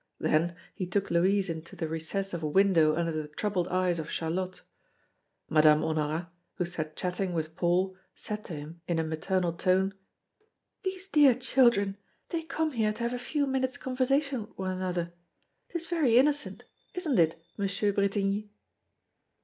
Then, he took Louise into the recess of a window under the troubled eyes of Charlotte. Madame Honorat, who sat chatting with Paul, said to him in a maternal tone: "These dear children, they come here to have a few minutes' conversation with one another. 'Tis very innocent isn't it, Monsieur Bretigny?"